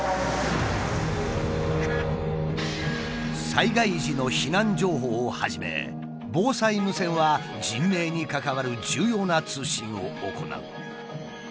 ・災害時の避難情報をはじめ防災無線は人命に関わる重要な通信を行う。